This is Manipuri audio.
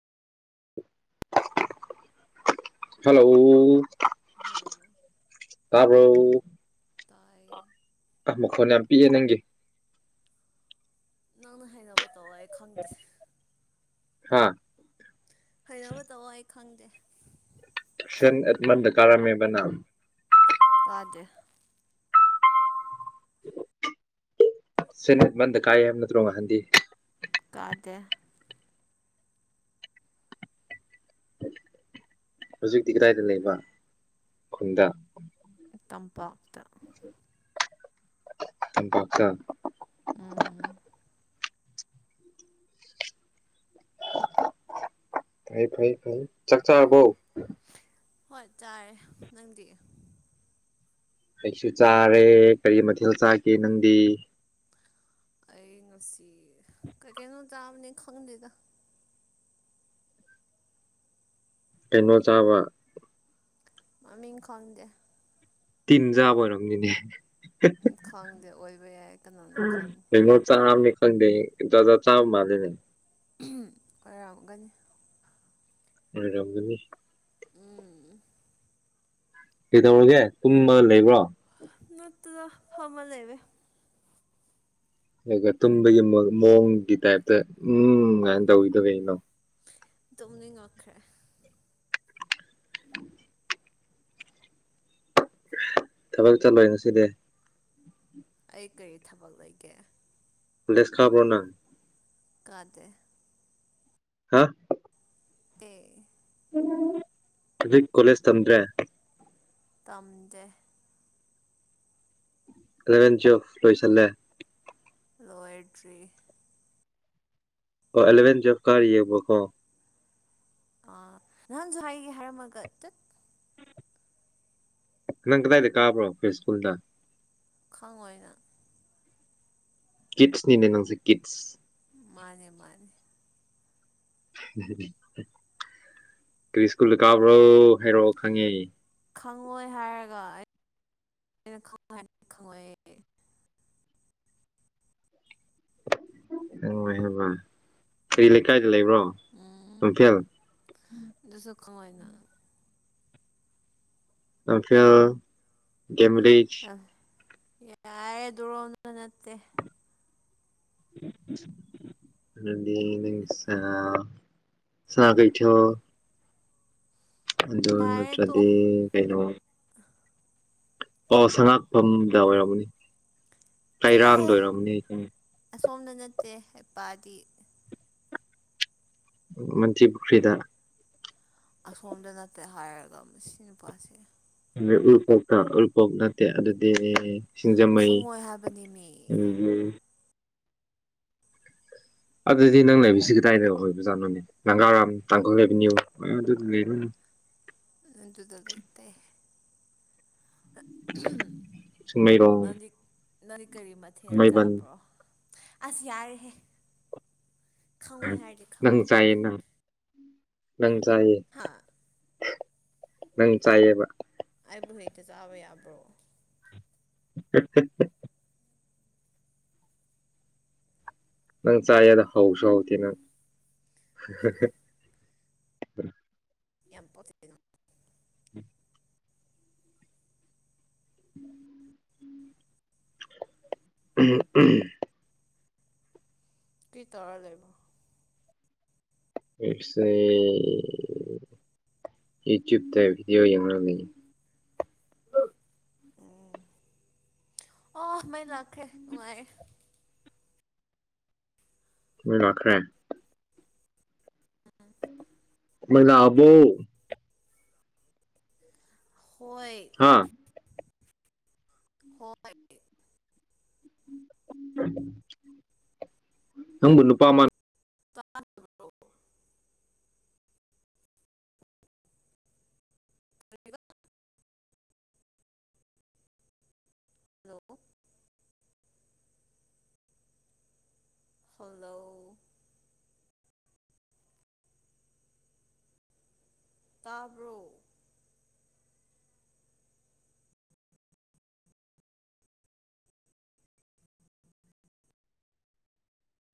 [inaudible] ꯍꯜꯂꯣ ꯍꯜꯂꯣ ꯌꯥꯔꯕ꯭ꯔꯣ ꯇꯥꯏ ꯑꯥ ꯃꯈꯣꯟ ꯌꯥꯝ ꯄꯤꯑꯌꯦ ꯅꯪꯒꯤ ꯅꯪꯅ ꯍꯥꯏꯅꯕ ꯇꯧ ꯑꯩ ꯈꯪꯗꯦ ꯍꯥꯥ ꯐꯩꯅꯕ ꯇꯧꯑꯣ ꯑꯩ ꯈꯪꯗꯦ ꯁꯟ ꯑꯦ ꯃꯟꯗ ꯀꯥꯥꯝꯕꯅꯥ ꯀꯥꯖ ꯁꯤꯅꯦꯠ ꯃꯟꯗ ꯀꯥꯏ ꯍꯥꯏꯕ ꯅꯠꯇ꯭ꯔꯣ ꯉꯍꯥꯟꯗꯤ ꯀꯥꯗꯦ ꯍꯧꯖꯤꯛꯇꯤ ꯀꯗꯥꯏꯗ ꯂꯩꯕ ꯈꯨꯟꯗ ꯇꯝꯄꯥꯛꯇ [unintelligible] ꯎꯝ ꯐ ꯐꯥꯏ ꯐꯥꯏ ꯆꯥꯛ ꯆꯥꯔꯕꯣ ꯍꯣꯏ ꯆꯥꯔꯦ ꯅꯪꯗꯤ ꯀꯩꯁꯨ ꯆꯥꯔꯦ ꯀꯔꯤ ꯃꯊꯦꯜ ꯆꯥꯒꯦ ꯅꯪꯗꯤ ꯑꯩꯩꯅꯁꯤ ꯀ ꯀꯩꯅꯩꯅꯣ ꯇꯕꯅꯤ ꯈꯪꯗꯦꯗ ꯇꯩꯅꯣ ꯆꯥꯕ ꯃꯃꯤ ꯃꯤꯡ ꯈꯪꯗꯦ ꯇꯤꯟꯖꯥꯕ ꯑꯣꯏꯔꯣꯝꯅꯤꯅꯦ ꯈꯪꯗꯦ ꯑꯣꯏꯕ ꯌꯥꯏ ꯀꯅꯥꯅ ꯈꯪ ꯀꯩꯅ‌ꯣ ꯆꯥꯉꯝꯅꯤ ꯍꯪꯗꯦ ꯗꯗ ꯆꯥꯕ ꯃꯥꯂ‌ꯦ ꯑꯣꯏꯣꯏꯔꯝꯒꯅꯤ ꯎꯔꯝꯒꯅꯤ ꯎꯝ ꯀꯩꯗꯧꯔꯒꯦ ꯇꯨꯝꯕ ꯂꯩꯕ꯭ꯔꯣ ꯅꯠꯇꯗ ꯐꯃ ꯂꯩ ꯂꯩꯕ ꯑꯗꯨꯒ ꯇꯨꯝꯕꯒꯤ ꯃꯑꯣꯡꯒꯤ ꯇꯥꯏꯞꯇ ꯎꯝ ꯀꯥꯏꯅ ꯇꯧꯈꯤꯗ ꯀꯩꯅꯣ ꯇꯨꯝꯅ ꯉꯛꯈ꯭ꯔꯦ ꯊꯕꯛ ꯆꯠꯂꯣꯏ ꯉꯁꯤꯗꯤ ꯑꯩ ꯀꯔꯤ ꯊꯕꯛ ꯂꯩꯒꯦ ꯂꯦꯁ ꯈꯥꯕꯅ ꯀꯗꯦ ꯍꯥ ꯇ‌ꯦ ꯍꯧꯖꯤꯛ ꯀꯣꯂꯦꯖ ꯇꯗ꯭ꯔꯦ ꯇꯝꯖꯩ ꯂꯂꯦꯟ ꯑꯐ ꯂꯣꯌꯣꯏꯁ ꯑꯂꯦ ꯂꯣꯏꯇ꯭ꯔꯤ ꯑꯣ ꯑꯦꯂꯦꯟ ꯭ꯋꯦꯜ ꯀꯔ ꯌꯦꯕꯣ ꯑ ꯅꯍꯥꯟꯁꯨ ꯍꯥꯏꯒꯦ ꯍꯥꯏꯔꯝꯃꯒ ꯇꯠ ꯅꯪ ꯀꯗꯥꯏꯗ ꯀꯥꯕ꯭ꯔꯣ ꯐ ꯁ꯭ꯀꯨꯜꯗ ꯈꯪꯡꯉꫭꯏ ꯅꯪ ꯀꯤꯠꯁꯅꯤꯅꯦ ꯅꯪꯁꯦ ꯀꯤꯠꯁ ꯃꯥꯅꯦ ꯃꯥꯅꯦ ꯀꯔꯤ ꯁ꯭ꯀꯨꯜꯗ ꯀꯥꯕ꯭ꯔꯣ ꯍꯥꯏꯔꯛꯑꯣ ꯈꯪꯉꯦ ꯈꯪꯉꯣꯏ ꯍꯥꯏꯔꯒ ꯈꯪꯉꫭꯏ ꯎꯋꯦꯍꯥꯏꯕ ꯀꯔꯤ ꯂꯩꯀꯥꯏꯗ ꯂꯩꯕ꯭ꯔꯣ ꯎꯝ ꯂꯝꯐꯦꯜ ꯑꯗꯨꯁꯨ ꯀꯃꯥꯏꯅ ꯂꯝꯐꯦꯜ ꯒꯦꯃꯦꯔꯤ ꯌꯥꯔꯦ ꯑꯗꯨꯔꯣꯅ ꯅꯠꯇꯦ [unintelligible] ꯑꯗꯨꯗꯤ ꯅꯪꯁꯦ ꯁꯅꯀꯩꯊꯦꯜ ꯑꯗꯨ ꯌꯥꯔꯦ ꯅꯠꯇ꯭ꯔꯗꯤ ꯇꯣꯛꯑꯣ ꯀꯩꯅꯣ ꯑꯣ ꯁꯉꯥꯛꯐꯝꯗ ꯑꯣꯏꯔꯝꯃꯅꯤ ꯀꯩꯔꯥꯡꯗ ꯆꯠꯂꯍꯦ ꯑꯣꯏꯔꯝꯅꯤ ꯑꯁꯣꯝꯗ ꯅꯠꯇꯦ ꯍꯩꯄꯥꯗꯤ ꯃꯟꯇꯔꯤꯄꯨꯈ꯭ꯔꯤꯗ ꯑꯁꯣꯝꯗ ꯅꯠꯇꯦ ꯍꯥꯏꯔꯒ ꯃꯁꯤ ꯅꯨꯄꯥꯁꯦ ꯎꯔꯤꯄꯣꯛꯇ ꯎꯔꯤꯄꯣꯛ ꯅꯠꯇꯦ ꯑꯗꯨꯗꯤ ꯁꯤꯡꯖꯃꯩ ꯈꯪꯉꯣꯏ ꯍꯥꯏꯕꯅꯤ ꯃꯤ ꯎꯝꯝ ꯑꯗꯨꯗꯤ ꯅꯪꯅ ꯂꯩꯕꯁꯤ ꯀꯗꯥꯏꯗ ꯑꯣꯏꯣꯏꯕꯖꯥꯠꯅꯣꯅꯦ ꯪꯅꯒꯥꯔꯥꯝ ꯇꯥꯡꯈꯜ ꯑꯦꯚꯦꯅ꯭ꯌꯨ ꯑꯗꯨꯗꯤ ꯗꯨꯗ ꯂꯩꯩꯇꯦ ꯆꯤꯡꯃꯩꯔꯣꯡ ꯅꯪꯗꯤ ꯅꯪꯒꯤ ꯀꯔꯤ ꯃꯊꯦꯜ ꯊꯥꯡꯃꯩꯕꯟ ꯆꯥꯕ꯭ꯔꯣ ꯑꯁ ꯌꯥꯔꯍꯦ ꯅꯪ ꯆꯥꯌꯦ ꯅꯪ ꯅꯪ ꯆꯥꯏꯌꯦ ꯍꯥ ꯅꯪ ꯆꯥꯏꯌꯦꯕ ꯑꯩꯕꯨ ꯍꯦꯛꯇ ꯆꯥꯕ ꯌꯥꯕ꯭ꯔꯣ [unintelligible] ꯅꯪ ꯆꯥꯏꯗ ꯍꯥꯎꯁꯨ ꯍꯥꯎꯇꯦ ꯅꯪ ꯌꯥꯝ ꯄꯛꯇꯦ ꯅꯪ [inaudible] [inaudible] [unintelligible] ꯀꯔꯤ ꯇꯧꯔꯥ ꯂꯩꯕꯔꫭ ꯑꯩꯁꯦ ꯌꯨꯇꯨꯞꯇ ꯕꯤꯗꯤꯑꯣ ꯌꯦꯡꯔꯝꯃꯤꯅꯦ ꯎꯝ ꯑꯣ ꯃꯩ ꯂꯥꯛꯈꯔꯦ ꯅꯨꯡꯉꯥꯏꯌꯦ ꯃꯩ ꯂꯛꯈ꯭ꯔꯦ ꯃꯩ ꯂꯥꯛꯑꯕꯣ ꯍꯣꯏ ꯍꯥꯥ ꯍꯣꯏ ꯅꯪꯕꯨ ꯅꯨꯄꯥ ꯃꯥ [inaudible] ꯍꯜꯂꯣ ꯍꯜꯂꯣ ꯇꯥꯕ꯭ꯔꯣ